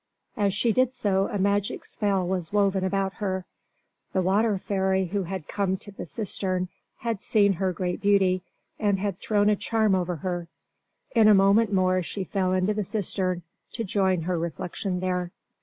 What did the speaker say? As she did so a magic spell was woven about her. The water fairy who had come to the cistern had seen her great beauty and had thrown a charm over her. In a moment more she fell into the cistern to join her reflection there.